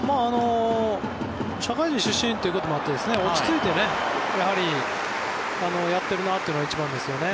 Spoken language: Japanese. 社会人出身ということもあって落ち着いてやってるなというのが一番ですよね。